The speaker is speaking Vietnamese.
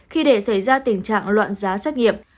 khi để xảy ra tình trạng loạn giá trách nhiệm